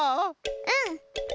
うん。